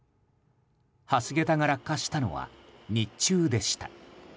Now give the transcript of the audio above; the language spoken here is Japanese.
橋桁が落下したのは日中でした。